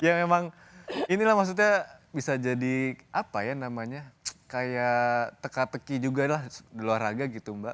ya memang inilah maksudnya bisa jadi apa ya namanya kayak teka teki juga lah di luar raga gitu mbak